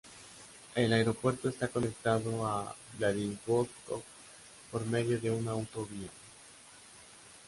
El aeropuerto está conectado a Vladivostok por medio de una autovía.